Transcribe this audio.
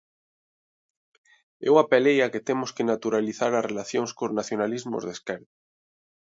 Eu apelei a que temos que naturalizar as relacións cos nacionalismos de esquerda.